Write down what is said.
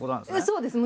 そうです。